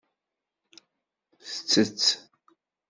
Tettett.